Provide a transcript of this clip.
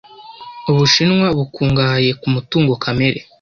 Ubushinwa bukungahaye ku mutungo kamere.